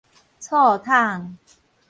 醋桶